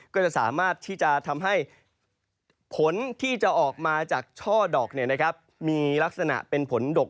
ก็จะสามารถที่จะทำให้ผลที่จะออกมาจากช่อดอกมีลักษณะเป็นผลดก